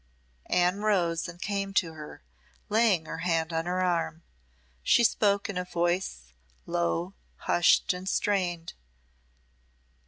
Anne rose and came to her, laying her hand on her arm. She spoke in a voice low, hushed, and strained.